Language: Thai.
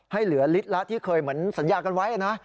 เหลือลิตรละที่เคยเหมือนสัญญากันไว้นะ